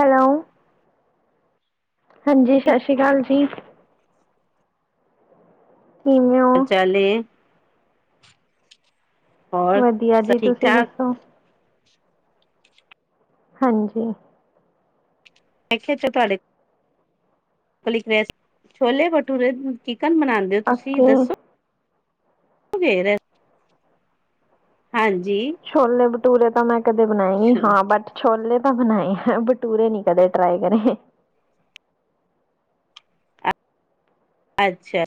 Hello ਹਾਂਜੀ, ਸਤਿ ਸ੍ਰੀ ਅਕਾਲ ਜੀ। ਕਿਵੇਂ ਓ? ਚਾਲ ਏ, ਹੋਰ, ਵਧੀਆ ਸਭ ਜੀ ਤੁਸੀਂ ਠੀਕ-ਠਾਕ? ਦੱਸੋ ਹਾਂਜੀ। ਪੇਕੇ'ਚ ਤੁਹਾਡੇ? ਛੋਲੇ-ਭਟੂਰੇ, ਚਿਕਨ ਬਣਾਂਦੇ ਓ, ਤੁਸੀਂ ਓਕੇ ਦੱਸੋ? ਫੇਰ ਹਾਂਜੀ। ਛੋਲੇ-ਬਟੂਰੇ ਤਾਂ ਮੈਂ ਕਦੇ ਬਣਾਏ ਨਹੀਂ, ਹਾਂ ਬਟ ਛੋਲੇ ਤਾਂ ਬਣਾਏ ਆ, ਬਟੂਰੇ ਨੀ ਕਦੇ ਟਰਾਏ ਕਰੇ। ਅੱਛਾ,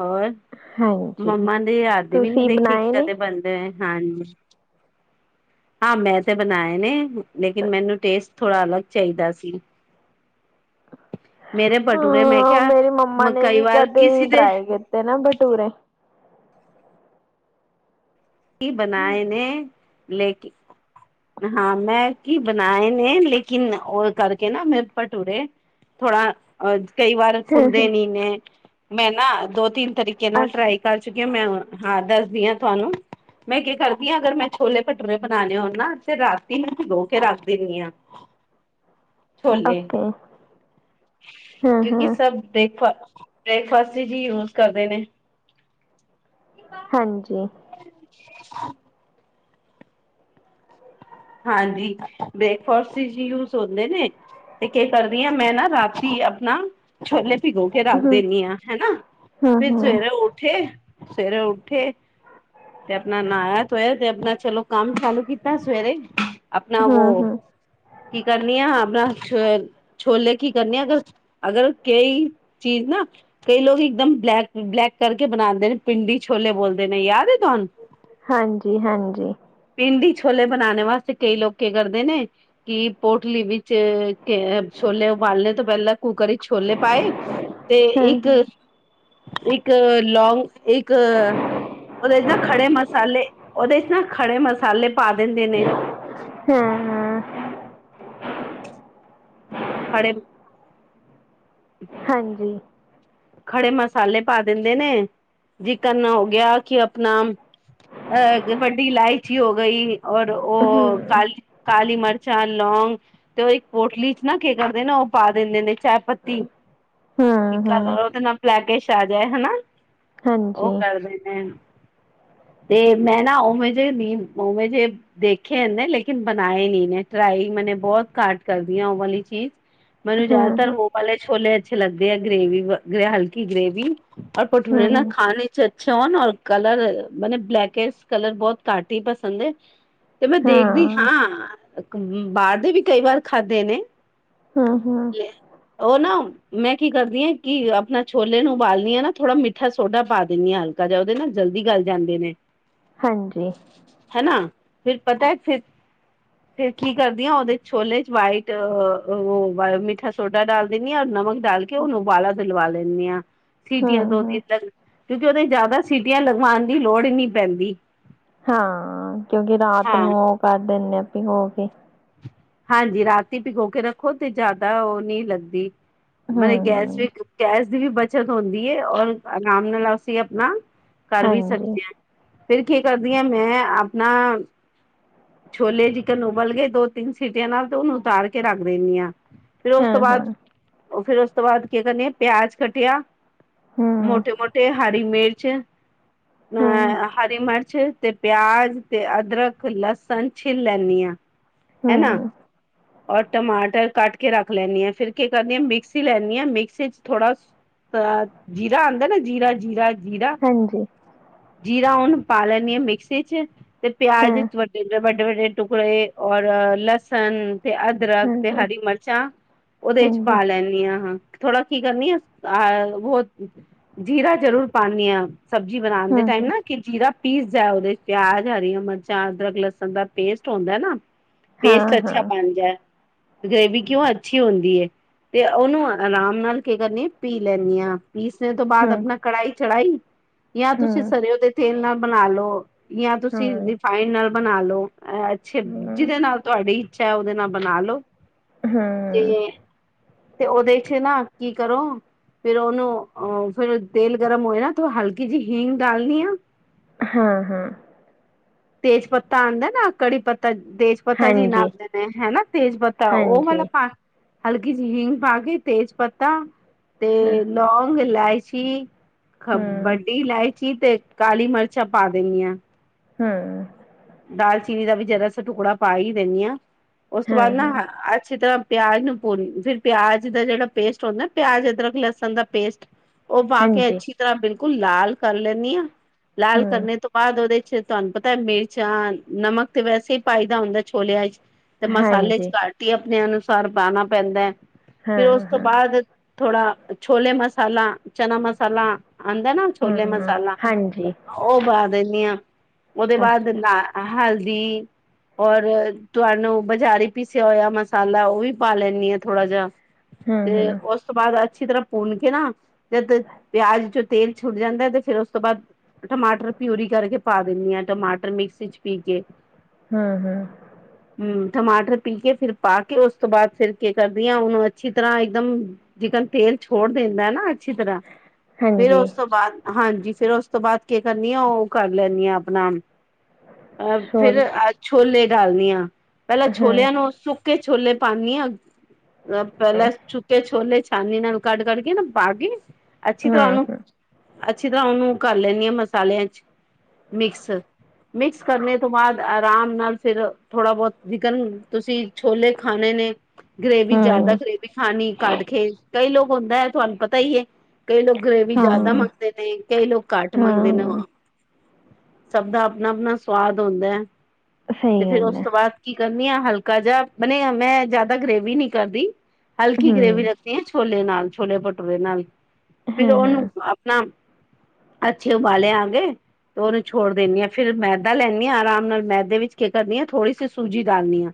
ਹੋਰ? ਹਾਂਜੀ ਮੰਮਾ ਦੀ ਹੱਥ ਵੀ ਨੀ ਤੁਸੀਂ ਦੇਖੀ, ਬਣਾਏ ਕੀਦਾ ਨੇ ਦੇ ਬਣਦੈ। ਹਾਂਜੀ, ਹਾਂ ਮੈਂ ਤੇ ਬਣਾਏ ਨੇ ਲੇਕਿਨ ਮੈਨੂੰ ਟੇਸਟ ਥੋੜ੍ਹਾ ਅਲੱਗ ਚਾਹੀਦਾ ਸੀ। ਮੇਰੇ ਭਟੂਰੇ ਮੈਂ ਹਾਂ, ਕਿਹਾ ਮੇਰੀ ਮੰਮਾ ਨੇ ਕਈ ਵੀ ਵਾਰ ਕਦੇ ਕਿਸੇ ਹੀ ਦੇ ਟ੍ਰਾਈ ਕੀਤੇ ਨਾ ਬਟੂਰੇ। ਬਣਾਏ ਨੇ, ਲੇਕੀ ਹਾਂ, ਮੈਂ ਕੀ ਬਣਾਏ ਨੇ ਲੇਕਿਨ ਉਹ ਕਰਕੇ ਨਾ, ਮੇ ਭਟੂਰੇੇ ਥੋੜਾ ਅ ਕਈ ਵਾਰ ਫੁੱਲਦੇ ਨੀ ਨੇ, ਮੈਂ ਨਾ ਦੋ-ਤਿੰਨ ਤਰੀਕੇ ਨਾਲ ਅੱਛਾ ਟਰਾਈ ਕਰ ਚੁੱਕੀਆਂ ਮੈਂ ਹੁਣ, ਦੱਸਦੀ ਆਂ ਤੁਹਾਨੂੰ। ਮੈਂ ਕੀ ਕਰਦੀ ਆਂ, ਅਗਰ ਮੈਂ ਛੋਲੇ-ਭਟੂਰੇ ਬਨਾਨੇ ਹੋਣ ਨਾ, ਫਿਰ ਰਾਤੀ ਭਿਗੋਕੇ ਰੱਖ ਦੇਂਨੀ ਆਂ। ਛੋਲੇ, ਓਕੇ ਹਾਂ ਕਿਉਂਕਿ ਹਾਂ ਸਭ ਬ੍ਰੇਕ-ਫਾਸਟ ਬ੍ਰੇਕਫਾਸਟ'ਚ ਈ, ਯੂਜ ਕਰਦੇ ਨੇ। ਹਾਂਜੀ। [inaudible] ਹਾਂਜੀ ਬ੍ਰੇਕਫਾਸਟ ਵਿੱਚ ਯੂਸ ਹੁੰਦੇ ਨੇ ਤੇ ਕੇ ਕਰਦੀਆਂ ਮੈਂ ਨਾ ਰਾਤੀ ਆਪਣਾ ਛੋਲੇ ਭਿਗੋ ਕੇ ਰੱਖ ਹਮ ਦਿੰਦੀ ਆਂ ਹਨਾ ਹਮ ਫੇਰ ਹਮ ਸਵੇਰੇ ਉੱਠੇ ਸਵੇਰੇ ਉੱਠੇ ਤੇ ਆਪਣਾ ਨਹਾਇਆ ਧੋਇਆ ਤੇ ਆਪਣਾ ਚਲੋ ਕੰਮ ਚਾਲੂ ਕੀਤਾ ਸਵੇਰੇ ਆਪਣਾ ਵੋ ਹਮ ਹਮ ਕੀ ਕਹਿੰਨੀ ਆ ਆਪਣਾ ਛੋ ਛੋਲੇ ਕੀ ਕਰਨੇ ਅਗਰ ਅਗਰ ਕਈ ਚੀਜ਼ ਨਾ ਕਈ ਲੋਕ ਇਕਦਮ ਬਲੈਕ ਬਲੈਕ ਕਰਕੇ ਬਣਾਉਂਦੇ ਨੇ ਪਿੰਡੀ ਛੋਲੇ ਬੋਲਦੇ ਨੇ ਯਾਦ ਹੈਂ ਤੁਹਾਨੂੰ ਹਾਂਜੀ ਹਾਂਜੀ ਪਿੰਡੀ ਛੋਲੇ ਬਣਾਉਣੇ ਵਾਸਤੇ ਕਈ ਲੋਕ ਕੀ ਕਰਦੇ ਨੇ ਕਿ ਪੋਟਲੀ ਵਿੱਚ ਕੇ ਛੋਲੇ ਉਬਾਲਣ ਤੋਂ ਪਹਿਲਾਂ ਕੁੱਕਰ ਵਿਚ ਛੋਲੇ ਪਾਏ ਤੇ ਹਾਂ ਇੱਕ ਹਾਂ ਇੱਕ ਲੌਂਗ ਇੱਕ ਮਤਲਬ ਐਹਦਾ ਖੜੇ ਮਸਾਲੇ ਉਹਦੇ 'ਚ ਨਾ ਖੜੇ ਮਸਾਲੇ ਪਾ ਦਿੰਦੇ ਨੇ ਹਮ ਹਮ ਖੜੇ ਹਾਂਜੀ ਖੜੇ ਮਸਾਲੇ ਪਾ ਦਿੰਦੇ ਨੇ ਜਿਕਰਨ ਹੋ ਗਿਆ ਕਿ ਆਪਣਾ ਅਹ ਵੱਡੀ ਇਲਾਇਚੀ ਹੋ ਗਈ ਔਰ ਉਹ ਹਮ ਕਾਲ ਕਾਲੀ ਮਿਰਚਾਂ ਲੌਂਗ ਤੇ ਉਹ ਇੱਕ ਪੋਟਲੀ 'ਚ ਨਾ ਕੀ ਕਰਦੇ ਨਾ ਉਹ ਪਾ ਦਿੰਦੇ ਨੇ ਚਾਹ ਪੱਤੀ ਕੇ ਹਮ ਹਮ ਉਹਦੇ ਨਾਲ ਲੈ ਕੇ ਛਾ ਜਾਏ ਹਨਾ ਹਾਂਜੀ ਉਹ ਕਰਦੇ ਨੇ ਤੇ ਮੈਂ ਨਾ ਉਹਵੇਂ ਜਿਹੇ ਨੀ ਉਹਵੇਂ ਜਿਹੇ ਦੇਖੇ ਇੰਨੇ ਲੇਕਿਨ ਬਣਾਏ ਨੀ ਨੇ ਟਰਾਈ ਮੈਨੇ ਬਹੁਤ ਘਾਟ ਕਰਦੀ ਆ ਉਹ ਵਾਲੀ ਚੀਜ਼ ਮੈਨੂੰ ਹਮ ਜ਼ਿਆਦਾਤਰ ਹਮ ਉਹ ਵਾਲੇ ਛੋਲੇ ਅੱਛੇ ਲੱਗਦੇ ਆ ਗ੍ਰੇਵੀ ਹਲਕੀ ਗ੍ਰੇਵੀ ਔਰ ਭਟੂਰੇ ਨਾ ਹਮ ਖਾਣੇ ਅੱਛਾ ਅੱਛਾ ਓਨ ਕਲਰ ਮੈਨੇ ਬਲੈਕ ਕਲਰ ਬਹੁਤ ਕਾਟ ਹੀ ਪਸੰਦ ਹੈ ਤੇ ਮੈਂ ਦੇਖਦੀ ਹਾਂ [unintelligible] ਬਾਹਰ ਦੇ ਵੀ ਕਈ ਵਾਰ ਖਾਧੇ ਨੇ ਹਾਂ ਹਾਂ ਲੇ ਉਹ ਨਾ ਮੈਂ ਕੀ ਕਰਦੀ ਏ ਕਿ ਆਪਣਾ ਛੋਲੇ ਨੂੰ ਉਬਾਲਣੀ ਹੈ ਨਾ ਥੋੜਾ ਮਿੱਠਾ ਸੋਡਾ ਪਾ ਦਿੰਦੀ ਹਾਂ ਹਲਕਾ ਜਿਹਾ ਉਹਦੇ ਨਾਲ ਜਲਦੀ ਗਲ ਜਾਂਦੇ ਨੇ [inaudible] ਹਾਂਜੀ ਹੈਨਾ ਫੇਰ ਪਤਾ ਹੈ ਫਿਰ ਫੇਰ ਕੀ ਕਰਦੀ ਹਾਂ ਉਹਦੇ ਛੋਲੇ 'ਚ ਵਾਈਟ ਓ ਮਿੱਠਾ ਸੋਡਾ ਡਾਲ ਦੇਣੀ ਹਾਂ ਔਰ ਨਮਕ ਡਾਲ ਕੇ ਉਹਨੂੰ ਉਬਾਲਾ ਦਿਲਵਾ ਲੈਂਦੀ ਹਾਂ ਸੀਟੀਆਂ ਹਮ ਦੋ ਹਮ ਤਿੰਨ ਲਗ ਕਿਉਂਕਿ ਉਹਦੇ 'ਚ ਜ਼ਿਆਦਾ ਸੀਟੀਆਂ ਲਗਵਾਉਣ ਦੀ ਲੋੜ ਨਹੀਂ ਪੈਂਦੀ। ਹਾਂ ਕਿਉਂਕਿ ਰਾਤ ਹਾਂ ਨੂੰ ਉਹ ਕਰ ਦਿੰਦੇ ਭਿਗੋ ਕੇ ਹਾਂਜੀ ਰਾਤੀ ਭਿਕੋ ਕੇ ਰੱਖੋ ਤੇ ਜ਼ਿਆਦਾ ਉਹ ਨੀ ਲੱਗਦੀ ਮਤਲਬ ਗੈਸ ਹਮ ਵੀ ਗੈਸ ਦੀ ਵੀ ਬੱਚਤ ਹੁੰਦੀ ਏ। ਔਰ ਆਰਾਮ ਨਾਲ ਅਸੀਂ ਆਪਣਾ ਕਰ ਵੀ ਹਾਂਜੀ ਸਕਦੇ ਹਾਂ। ਫਿਰ ਕੀ ਕਰਦੀ ਮੈਂ ਆਪਣਾ ਛੋਲੇ ਚਿਕਨ ਉਬਲ ਗਏ ਦੋ ਤਿੰਨ ਸੀਟੀਆਂ ਨਾਲ ਤੇ ਉਹਨੂੰ ਉਤਾਰ ਕੇ ਰੱਖ ਦਿੰਦੀ ਹਾਂ ਫੇਰ ਉਸ ਹਾਂ ਤੋਂ ਬਾਅਦ ਹਾਂ ਉਹ ਫਿਰ ਉਸ ਤੋਂ ਬਾਅਦ ਕੀ ਕਰਨੇ ਆ ਪਿਆਜ ਕੱਟਿਆ ਹਮ ਮੋਟੇ ਮੋਟੇ ਹਰੀ ਮਿਰਚ ਨਾ ਹਮ ਅਹ ਹਰੀ ਮਿਰਚ ਤੇ ਪਿਆਜ ਤੇ ਅਦਰਕ ਲਸਨ ਛਿੱਲ ਲੈਂਨੀ ਆ। ਹੈਨਾ। ਹਮ ਔਰ ਟਮਾਟਰ ਕੱਟ ਕੇ ਰੱਖ ਲੈਨੀ ਆ ਫਿਰ ਕੀ ਕਰਨੀ ਆ ਮਿਕਸੀ ਲੈਨੀ ਆ ਮਿਕਸੀ ਚ ਥੋੜਾ ਅ ਜੀਰਾ ਆਂਦਾ ਨਾ ਜੀਰਾ ਜੀਰਾ। ਜੀਰਾ ਹਾਂਜੀ ਜੀਰਾ ਹੁਨ ਪਾ ਲੈਨੀ ਆ ਮਿਕਸੀ ਚ। ਤੇ ਪਿਆਜ ਹਾਂ ਵਿਚ ਵਡ ਵੱਡੇ ਵੱਡੇ ਟੁਕੜੇ ਔਰ ਲਸਨ ਤੇ ਅਦ ਹਾਂ ਅਦਰਕ ਤੇ ਹਾਂ ਹਰੀ ਮਿਰਚਾਂ ਓਹਦੇ ਚ ਹਾਂਜੀ ਪਾ ਲੈਨ। ਪਾ ਨੀ ਆ ਹਾ ਥੋੜਾ ਕੀ ਕਰਨੀ ਆ ਅ ਬਹੁ ਜੀਰਾ ਜਰੂਰ ਪਾਨੀ ਆ। ਸਬਜੀ ਬਨਾਂਦੇ ਦੇ ਹਮ ਟਾਈਮ ਹਮ ਨਾ। ਕਿ ਜੀਰਾ ਪੀਸਦਾ ਓਹਦੇ ਚ ਪਿਆਜ ਹਰੀਆਂ, ਮਿਰਚਾਂ, ਅਦਰਕ, ਲਸਨ ਦਾ ਪੇਸਟ ਹੁੰਦਾ ਏ ਨਾ। ਹਾਂ ਪੇਸਟ ਹਾਂ ਅੱਛਾ ਬਨ ਜਾਏ। ਗਰੇਵੀ ਕੇਓ ਅੱਛੀ ਹੁੰਦੀ ਏ, ਤੇ ਓਨੂੰ ਆਰਾਮ ਨਾਲ ਕੀ ਕਰਨੀ ਏ ਪੀ ਲੈਨੀ ਆ ਪੀਸਨੇ ਤੋਂ ਬਾਦ ਹਮ ਅਪਨਾ ਕੜਾਈ ਚੜਾਈ। ਯਾ ਤੁਸੀਂ ਹਮ ਸਰਯੋ ਦੇ ਤੇਲ ਨਾਲ ਬਨਾ ਲੌ ਯਾ ਤੁਸੀਂ ਹਾਂ ਰਿਫਾਇੰਡ ਨਾਲ ਬਨਾ ਲੌ। ਅੱਛੇ ਹਮ ਜਿਦੇ ਨਾਲ ਤੁਹਾਡੀ ਇੱਛਾ ਐ ਓਦੇ ਨਾਲ ਬਨਾ ਲੋ ਹਾਂ ਤੇ ਤੇ ਓਦੇ ਚ ਨਾ ਕੀ ਕਰੋ ਫੇਰ ਓਨੂੰ ਅ ਫੇਰ ਤੇਲ ਗਰਮ ਹੋਯਾ ਤੋ ਹਲਕੀ ਜੀ ਹੀਂਗ ਡਾਲਨੀ ਆ। ਹਾਂ ਹਾਂ। ਤੇਜ ਪੱਤਾ ਆਂਦਾ ਨਾ ਕੜੀ ਪੱਤਾ ਤੇਜ ਪਤਾ ਜੀ ਹਾਂਜੀ ਨਾਪ ਦੇ ਨੇ ਹੈਨਾ ਤੇਜ ਪੱਤਾ ਓ ਵਾਲਾ ਹਾਂਜੀ ਪਾਨ ਹਲਕੀ ਜੀ ਹਿੰਗ ਪਾ ਕੇ ਤੇਜ ਪੱਤਾ ਹਾਂ ਤੇ ਲੌਂਗ ਇਲਾਇਚੀ। ਖਬ ਹਮ ਵੱਡੀ ਇਲਾਇਚੀ ਤੇ ਕਾਲੀ ਮਿਰਚਾਂ ਪਾ ਦੇਨੀ ਆ। ਹਮ। ਦਾਲਚੀਨੀ ਦਾ ਵੀ ਜਰਾ ਸਾ ਟੁਕੜਾ ਪਾ ਈ ਦੇਨੀ ਆ ਉਸ ਤੋਂ ਬਾਦ ਨਾ ਹਾਂ-ਹਾਂ, ਅੱਛੀ ਤਰਾ ਪਿਆਜ ਨੂੰ ਪੂਨ ਫਿਰ ਪਿਆਜ ਦਾ ਜੇੜਾ ਪੇਸਟ ਹੁੰਦਾ ਪਿਆਜ ਅਦਰਕ ਲਸਨ ਦਾ ਪੇਸਟ ਓ ਪਾ ਕੇ ਹਾਂਜੀ, ਅੱਛੀ ਤਰਾ ਬਿਲਕੁਲ ਲਾਲ ਕਰ ਲੈਨੀ ਆ ਲਾਲ ਹੂੰ, ਕਰਨੇ ਤੋ ਬਾਦ ਓਦੇ ਚ ਤਾਨੂੰ ਪਤਾ ਮਿਰਚਾ ਨਮਕ ਤੇ ਵੈਸੇ ਈ ਪਾਈ ਦਾ ਹੁੰਦਾ ਛੋਲੇਆਂ ਚ। ਤੇ ਮਸਾਲੇ ਚ ਹਾਂਜੀ, ਕਟ ਈ ਅਪਨੇ ਅਨੁਸਾਰ ਪਾਨਾ ਪੈਂਦਾ ਐ ਫਿਰ ਉਸ ਤੋਂ ਹਾਂ-ਹਾਂ, ਬਾਦ ਥੋੜਾ ਛੋਲੇ ਮਸਾਲਾ ਚਨਾ ਮਸਾਲਾ ਆਂਦਾ ਨਾ। ਛੋਲੇ ਹੂੰ-ਹੂੰ, ਮਸਾਲਾ ਹਾਂਜੀ, ਓ ਪਾ ਦੇਨੀ ਆ ਓਦੇ ਬਾਦ ਅੱਛਾ, ਹਲਦੀ। ਔਰ ਤੁਆਨੂੰ ਬਜਾਰੀ ਪੀਸਿਆ ਹੋਇਆ ਮਸਾਲਾ ਓ ਵੀ ਪਾ ਲੈਨੀ ਆ ਥੋੜਾ ਜਾ। ਤੇ ਹੂੰ-ਹੂੰ, ਉਸ ਤੋਂ ਬਾਦ ਅੱਛੀ ਤਰਾ ਪੁਨ ਕੇ ਨਾ ਜਦ ਪੇਆਜ ਚੋ ਤੇਲ ਛੁੱਟ ਜਾਂਦਾ ਏ ਤੇ ਫੇਰ ਉਸ ਤੋਂ ਬਾਦ ਟਮਾਟਰ ਪਿਊਰੀ ਕਰਕੇ ਪਾ ਦੇਨੀ ਆ ਟਮਾਟਰ ਮਿਕਸੀ ਚ ਪੀ ਕੇ। ਹੂੰ ਹੂੰ। ਹਮ ਟਮਾਟਰ ਪੀ ਕੇ ਫਿਰ ਪਾ ਕੇ ਉਸ ਤੋਂ ਬਾਦ ਫੇਰ ਕੀ ਕਰਦੀ ਆ ੳਨੂੰ ਅੱਛੀ ਤਰਾ ਇੱਕਦਮ ਜਿਕਨ ਤੇਲ ਛੋੜ ਦੇੰਦਾ ਏ ਨਾ ਅੱਛੀ ਤਰਾ। ਫੇਰ ਹਾਂਜੀ, ਉਸ ਤੋਂ ਬਾਦ ਹਾਂਜੀ ਫੇਰ ਉਸ ਤੋਂ ਬਾਅਦ ਕੇ ਕਰਨੀ ਆ ਓ ਕਰ ਲੈਨੀ ਆ ਅਪਨਾ ਅ ਫੇਰ ਸ਼ੋਲ ਅ ਛੋਲੇ ਡਾਲਨੀ ਆ ਪਹਿਲਾਂ ਛੋਲੇਆ ਹੂੰ-ਹੂੰ, ਨੂੰ ਸੁੱਕ ਕੇ ਛੋਲੇ ਪਾਨੀ ਆ ਪੇਲਾ ਛੁ ਛੋਲੇ ਛਾਨਨੀ ਨਾਲ ਕੱਢ ਕਢੱ ਕੇ ਨਾ ਬਾਗੀ ਅੱਛੀ ਤਰਾ ਓਨੂ ਹੂੰ-ਹੂੰ, ਅੱਛੀ ਤਰਾ ਓਹਨੂੰ ਕਰ ਲੈਨੀ ਆ ਮਸਾਲਿਆਂ ਚ ਮਿਕਸ। ਮਿਕਸ ਕਰਨੇ ਤੋਂ ਬਾਦ ਆਰਾਮ ਨਾਲ ਫਿਰ ਥੋੜਾ ਬੋਤ ਜਿਕਨ ਤੁਸੀਂ ਛੋਲੇ ਖਾਨੇ ਨੇ ਗਰੇਵੀ ਜ਼ਿਆਦਾ, ਹੂੰ, ਗਰੇਵੀ ਖਾਣੀ ਕੱਢ ਕੇ, ਕਈ ਲੋਕ ਹੁੰਦਾ ਹੈ, ਤੁਹਾਨੂੰ ਪਤਾ ਹੀ ਹੈ। ਕਈ ਲੋਕ ਗਰੇਵੀ ਜ਼ਿਆਦਾ ਮੰਗਦੇ ਨੇ, ਕਈ ਲੋਕ ਘੱਟ ਹਾਂ, ਮੰਗਦੇ ਨੇ ਹਾਂ, ਵਾਂ। ਸਭ ਦਾ ਆਪਣਾ-ਆਪਣਾ ਸਵਾਦ ਹੁੰਦਾ ਏ, ਸਹੀ ਤੇ ਫੇਰ ਗੱਲ ਉਸ ਐ, ਤੋਂ ਬਾਅਦ ਕੀ ਕਰਨੀ ਹ ਹਲਕਾ ਜਿਹਾ, ਬਣੇ ਮੈਂ ਜਿਆਦਾ ਗ੍ਰੇਵੀ ਨਇ ਕਰਦੀ, ਹਲਕੀ ਗ੍ਰੇਵੀ ਹੂੰ, ਰਖਦ ਰਖਨੀ ਆ ਛੋਲੇ ਨਾਲ, ਛੋਲੇ-ਭਟੂਰੇ ਨਾਲ, ਫਿਰ ਹਾਂ-ਹਾਂ, ਉਹਨੂੰ ਆਪ [inaudible] ਅੱਛੇ ਉਬਾਲੇ ਆ ਗਏ, ਤੇ ਉਹਦੇ 'ਚ ਥੋੜ ਦੇਿੰਨੀ ਹ, ਫਿਰ ਮੈਦਾ ਲੈਨੀ ਆ ਆਰਾਮ ਨਾਲ, ਮੈਦੇ ਵਿੱਚ ਕੇ ਕਰਨੀ ਆ, ਥੋੜ੍ਹੀ ਜੀ ਸੂਜੀ ਡਾਲਨੀ ਆ।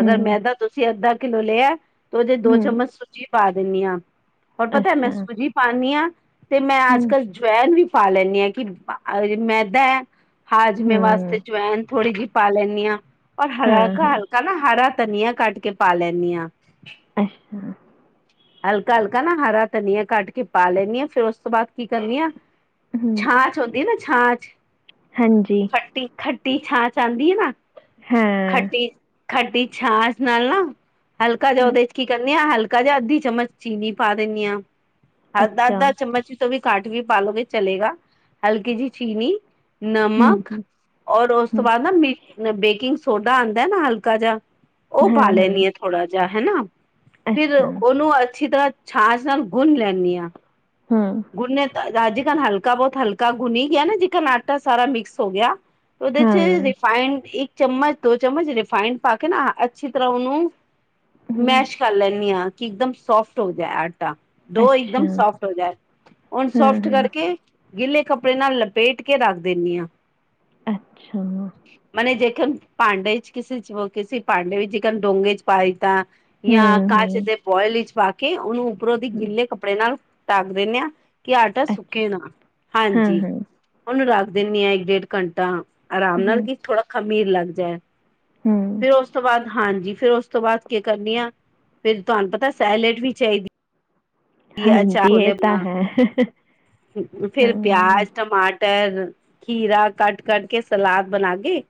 ਅਗਰ ਹੂੰ, ਮੈਦਾ ਤੁਸੀਂ ਅੱਧਾ ਕਿੱਲੋ ਲਏ, ਤਾਂ ਉਦੇੇ 'ਚ ਦੋ ਹੂੰ, ਚਮਚ ਸੂਜੀ ਪਾ ਦੇਨੀ ਆ। ਔਰ ਪਤੇ ਮੈਂ ਅੱਛਾ, ਸੂਜੀ ਪਾਣਿ ਆ, ਤੇ ਮੈਂ ਅੱਜ ਹੂੰ, ਕੱਲ [inaudible] ਜਵੇਨ ਵੀ ਪਾ ਲੈਂਣੀ ਆ, ਕਿ ਰਪਾਂ ਅਗਰ ਮੈਦਾ ਹੈ, ਹਾਜ਼ਮੇ ਵਾਸਤੇ ਹੂੰ, ਜਵੈਨ ਥੋੜ੍ਹੀ ਜਿਹੀ ਪਾ ਲੈਂਣੀ ਆ, ਔਰ ਹਰਾ ਹਾਂ-ਹਾਂ, ਘਾਲਕਾ ਨਾ ਹਰਾ ਧਨੀਆ ਕੱਟ ਕੇ ਪਾ ਲੈਂਣੀ ਆ। ਅੱਛਾ। ਹਲਕਾ ਹਲਕਾ ਨਾ, ਹਰਾ ਧਨੀਆ ਕੱਟ ਕੇ ਪਾ ਲੈਂਣੀ ਆ। ਫੇਰ ਉਸ ਤੋਂ ਬਾਅਦ, ਕੀ ਕਰਨੀ ਆ ਅਹ। ਛਾਛ ਹੋਂਦੀ ਏ, ਨਾ ਛਾਛ ਹਾਂਜੀ। ਖੱਟੀ-ਖੱਟੀ ਛਾਂਛ ਆਨਦੀ ਏ ਨਾ, ਹਾਂ, ਖੱਟੀ- ਖੱਟੀ ਛਾਂਛ। ਨਾਲ ਨਾ, ਹਲਕਾ ਜੇਆ ਹਾਂ, ਉਹਦੇ 'ਚ ਕੀ ਕਰਦੀ ਆ, ਹਲਕਾ ਜਿਹਾ ਅੱਧੀ ਚਮਚ ਚੀਨੀ ਪਾ ਦੇਨੀ ਆ। ਅਦਾ- ਅੱਛਾ, ਅਦਾ ਚਮਚ ਵੀ ਤੋਂ ਵੀ ਕਾਟ ਵੀ ਪਾਲੋਗੇ ਚਲੇਗਾ, ਹਲਕੀ ਜੀ ਚੀਨੀ ਨਮਕ, ਹੂੰ-ਹੂੰ, ਔਰ ਉਸ ਤੋਂ ਹੂੰ, ਬਾਅਦ ਨਾ, ਬੇ ਬੇਕਿੰਗ ਸੋਡਾ ਆਨਦਾ ਏ ਨਾ ਹਲਕਾ ਜਿਹਾ ਉਹ ਹਾਂ-ਹਾਂ, ਪਾਾਲੈਣੀ ਆ ਥੋੜ੍ਹਾ ਜੇਆ ਹਨਾ, ਫਿਰ ਅੱਛਾ ਉਨੂ ਅੱਛੀ ਤਰ੍ਹਾਂ ਛਾਛ ਨਾਲ ਗੁਣ ਲੈਂਣੀ ਆ। ਹ। ਗੁਨੇ ਤਾਂਜਿਕਨ ਹਲਕਾ ਬਹੁਤ ਹਲਕਾ ਗੁਨੀ ਗਿਆ ਨਾ, ਜਿਕਨ ਆਟਾ ਸਾਰਾ ਮਿਕਸ ਹੋ ਗਿਆ ਉਦੇ 'ਚ ਹਾਂ ਰਿਫਾਇੰਡ ਇੱਕ ਚਮਚ, ਦੋ ਚਮਚ ਰਿਫਾਇੰਡ ਪਾ ਕੇ ਨਾ ਅੱਛੀ ਤਰਾ ਔਨੁ ਹੂੰ ਮੈਸ਼ ਕਰ ਲੈਂਨੀ ਆ, ਇੱਕਦਮ ਸੋਫਟ ਹੋ ਜਾਏ ਢੋ ਅੱਛਾ ਇੱਕਦਮ ਸੋਫਟ ਹੋ ਜਾਏ, ਹੁਣ ਹਾਂ ਸੋਫਟ ਹਾਂ ਕਰਕੇ ਗਿੱਲੇ ਕੱਪੜੇ ਨਾਲ, ਲਪੇਟ ਕੇ ਰੱਖ ਦੇਣੀ ਆ। ਅੱਛਾ। ਮਨੇ ਜੇਕਨ ਭਾਂਡੇ 'ਚ ਕਿਸੇ 'ਚ ਹੋਰ ਕਿਸੇ, ਹੋਰ ਭਾਂਡੇ ਵਿੱਚ ਜੇਕਨ ਡੋਂਗੇ 'ਚ ਪਾਾਈ ਤਾਂ ਯਾ ਹੂੰ ਕਾਂਚ ਦੇ ਭੋਇਲ ਇਚ ਪਾ ਕੇ, ਉਨੂੰ ਉੱਪਰੋਂ ਦੀ ਹੂੰ ਗਿੱਲੇ ਕੱਪੜੇ ਨਾਲ ਡਕ ਦੇਨੇ ਆ। ਕਿ ਆਟਾ ਸੁੱਕੇ ਅੱਛਾ ਨਾ, ਹਾਂ ਹਾਂਜੀ। ਹਾਂ ਉਨੂੰ ਰੱਖ ਦੇਨੇ 'ਹ ਏਕ ਡੇਢ ਘੰਟਾ ਆਰਾਮ ਨਾਲ, ਕੀ ਥੋੜ੍ਹਾ ਖਮੀਰ ਲੱਗ ਜਾਏ। ਹੁ। ਫੇਰ ਔਸ ਤੋਂ ਬਾਅਦ ਹਾਂਜੀ, ਫੇਰ ਔਸ ਤੋਂ ਬਾਅਦ ਕੇ ਕਰਨੀ ਆ, ਫਿਰ ਤੁਹਾਨੂੰ ਪਤਾ ਸੈਲੇਡ ਵੀ ਚਾਹੀਦੀ। ਹਾਂਜੀ ਇਹ ਤਾਂ ਹੈ [unintelligible] [inaudible] ਫੇਿਰ ਹਾਂ ਪਿਆਜ, ਟਮਾਟਰ ਫੇਰ ਖੀਰਾ ਕੱਟ ਕੱਟ ਕੇ, ਸਲਾਦ ਬਣਾ ਗੇ,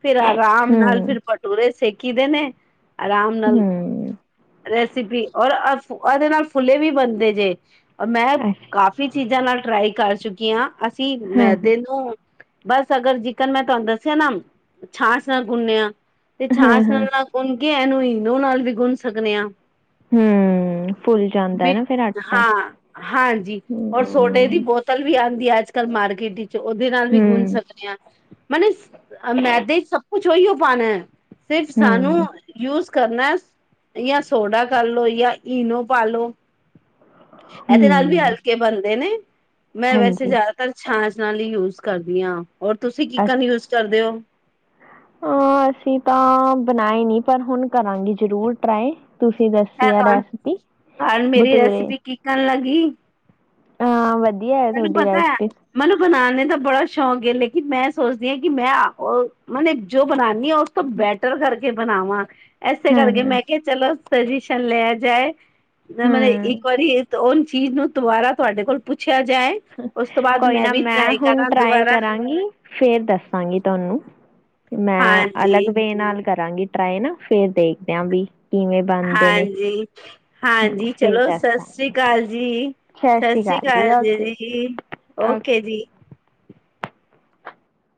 ਫੇਿਰ ਆਰਾਮ ਨਾਲ ਹੂੰ ਫਿਰ ਭਟੂਰੇ ਸੇਕੀ ਦੇ ਨੇ, ਆਰਾਮ ਨਾਲ ਹੂੰ ਰੈਸਪੀ, ਔਰ ਅਅ ਏਦੇ ਨਾਲ ਫੁੱਲੇ ਵੀ ਬਣਦੇ ਜੇ। ਮੈਂ ਅੱਛਾ ਕਾਫ਼ੀ ਚੀਜ਼ਾਂ ਨਾਲ ਟਰਾਈ ਕਰ ਚੁੱਕੀ ਆ, ਅਸੀਂ ਹਾਂ ਹਾਂ ਮੈਦੇ ਨੂੰ ਬਸ ਅਗਰ ਜਿਕਨ ਮੈਂ ਤੁਆਨੂੰ ਦੱਸੇਏ ਨਾ, ਛਾਂਛ ਨਾਲ ਗੁੰਨੇ ਆ ਤੇ ਹਾਂ ਛਾਸ ਨਾਲ ਹਾਂ ਨਾ ਗੁੰਨ ਕੇ, ਇਹਨੂੰ ਇਨੋ ਨਾਲ ਵੀ ਗੁੰਨ ਸਕਦੇ ਆਂ। ਹੂੰ ਫੁੱਲ ਜਾਂਦਾ ਹੈ ਬੀਕ ਨਾ ਫਿਰ ਆਟਾ ਹਾਂ, ਹਾਂਜੀ, ਔਰ ਸੋਡਾ ਏ ਦੀ ਹੂੰ ਬੋਤਲ ਵੀ ਆਉਂਦੀ ਆ, ਅੱਜ ਕੱਲ ਮਾਰਕੀਟ ਵਿੱਚ, ਉਹਦੇ ਨਾਲ ਵੀ ਗੁੰਣ ਹੂੰ ਸਕਦੇ ਜੀ ਹਾਂ ਮੈਨੇ ਮੈਦੇ 'ਚ ਸਭ ਕੁਛ ਉਹੀਉ ਹੋ ਪਾਣਾ ਸਿਰਫ ਸਾਨੂੰ ਹੂੰ ਯੂਜ ਕਰਨਾ ਯਾ ਸੋਡਾ ਕਰ ਲਓ ਯਾ ਈਨੋ ਪਾ ਲੋ। ਇਹਦੇ ਨਾਲ ਵੀ ਹੂੰ ਹਲਕੇ ਬਣਦੇ ਨੇ ਮੈਂ ਵੈਸੇ ਹਾਂਜੀ ਜਾਦਾ ਛਾਂਛ ਨਾਲ ਹੀ ਯੂਜ ਕਰਦੀ ਹਾਂ ਔਰ ਤੁਸੀਂ ਕੀਕਨ ਯੂਜ ਕਰਦੇ ਹੋ। ਹਾ ਅਸੀਂ ਤਾਂ ਬਣਾਏ ਨਈ ਪਰ ਹੁਣ ਕਰਾਂਗੇ ਜ਼ਰੂਰ ਟਰਾਏ ਤੁਸੀਂ ਦਸੀ ਆ ਰੈਸਪੀ ਬਟੂਰੇ ਠੰਨ ਲੱਗੀ। ਵਧੀਆ ਹੈ ਤੈਨੂੰ ਤੁਹਾਡੀ ਪਤਾ ਰੈਸਪੀ ਮੈਨੂੰ ਬਣਾਣੇ ਦਾ ਬੜਾ ਸ਼ੌਕ ਹੈ ਲੇਕਿਨ ਮੈਂ ਸੋਚਦੀ ਹਾਂ ਕਿ ਮੈਂ ਓ ਮਨੇ ਜੋ ਬਣਾ ਉਸ ਤੋਂ ਬੈਟਰ ਕਰਕੇ ਬਣਾਵਾਂ ਇਸੇ ਹਾਂ ਕਰਕੇ ਹਾਂ ਮੈਂ ਕਿਆ ਚਲੋ ਸਜੀਸ਼ਨ ਲਿਆ ਜਾਏ ਨਾ ਮੈਂ ਹਾਂ ਇੱਕ ਵਾਰੀ ਤੇ ਓ ਚੀਜ਼ ਨੂੰ ਦੁਬਾਰਾ ਤੁਹਾਡੇ ਕੋਲ ਪੁੱਛਿਆ ਜਾਏ। ਉਸ ਤੋਂ ਬਾਅਦ ਕੋਈ ਨਾ ਵੀ ਮੈਂ ਟਰਾਈ ਹੁਣ ਕਰਾਂ ਟਰਾਈ ਦੁਬਾਰਾ ਕਰਾਂਗੀ। ਫਿਰ ਦੱਸਾਂਗੀ ਤੁਹਾਨੂੰ ਮੈਂ ਹਾਂਜੀ ਅਲੱਗ ਵੇਯ ਨਾਲ ਕਰਾਂਗੀ। ਟਰਾਏ ਨਾ ਫਿਰ ਦੇਖਦੇ ਆਂ ਵੀ ਕਿਵੇਂ ਬਣਦੇ ਨੇ। ਹਾਂਜੀ ਹਾਂ ਹਾਂਜੀ ਫਿਰ ਚਲੋ ਸਤਿ ਸ੍ਰੀ ਦੱਸਾਂਗੇ ਅਕਾਲ ਜੀ। ਸਤਿ ਸ੍ਰੀ ਅਕਾਲ ਜੀ ਦੀਦੀ ਜੀ ਓਕੇ ਜੀ।